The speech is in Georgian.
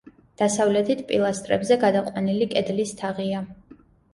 დასავლეთით პილასტრებზე გადაყვანილი კედლის თაღია.